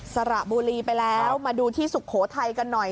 สระบุรีไปแล้วมาดูที่สุโขทัยกันหน่อย